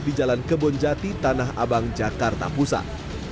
di jalan kebonjati tanah abang jakarta pusat